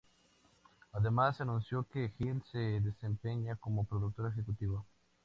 Además se anunció que Hill se desempeña como productor ejecutivo.